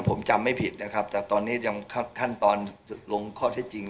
แต่ผมจำไม่ผิดนะครับแต่ตอนท่านตอนลงข้อใช้จริง